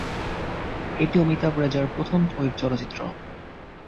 এটি অমিতাভ রেজার প্রথম ওয়েব চলচ্চিত্র।